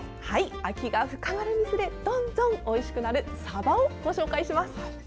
秋が深まるにつれどんどんおいしくなるサバをご紹介します。